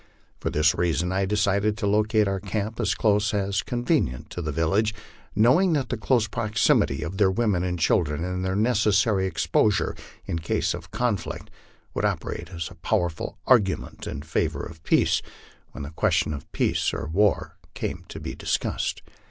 For this reason I decided to locate our camp as close as convenient to the village, knowing that the close proximity of their women and children, and their necessary exposure in case of conflict, would operate as a powerful argument in favor of peace, when the question of peace or war came to be discussed.